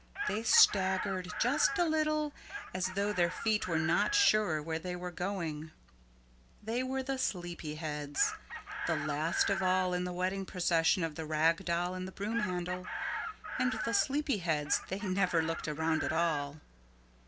They staggered just a little as though their feet were not sure where they were going. They were the Sleepyheads, the last of all, in the wedding procession of the Rag Doll and the Broom Handle and the Sleepyheads they never looked around at all.